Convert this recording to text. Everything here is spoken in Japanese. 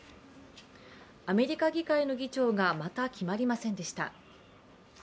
アメリカ議会の議長がまた決まりませんでした。